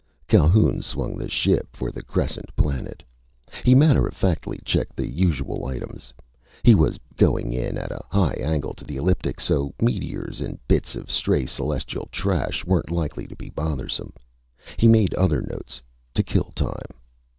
Calhoun swung the ship for the crescent planet. He matter of factly checked the usual items. He was going in at a high angle to the ecliptic, so meteors and bits of stray celestial trash weren't likely to be bothersome. He made other notes, to kill time.